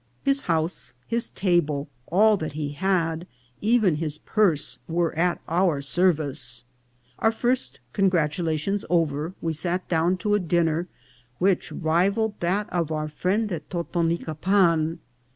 His house, his table, all that he had, even his purse, were at our service. Our first congratulations over, we sat down to a dinner which rivalled that of our friend of Totonica pan.